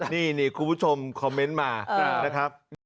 นี่คุณผู้ชมคอมเมนต์มานะครับ